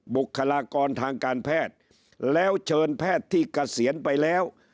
บุคลากรทางการแพทย์แล้วเชิญแพทย์ที่เกษียณไปแล้ว